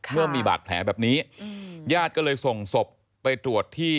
เมื่อมีบาดแผลแบบนี้ญาติก็เลยส่งศพไปตรวจที่